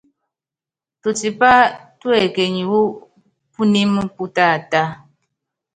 Tutipá tuekenyi wu punímɛ pú taatá.